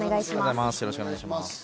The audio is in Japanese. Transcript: よろしくお願いします。